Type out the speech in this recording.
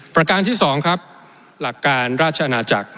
ประการที่๒ครับหลักการราชอาณาจักร